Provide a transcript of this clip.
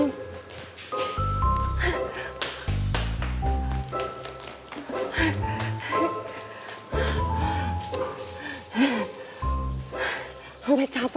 udah capek tau pa